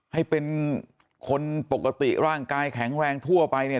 ให้เป็นคนปกติร่างกายแข็งแรงทั่วไปเนี่ย